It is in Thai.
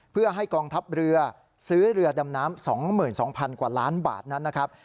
เพื่อให้กองทัพเรือซื้อเรือดำน้ำ๒๒๐๐๐กว่าล้านบาทนั้นนะครับ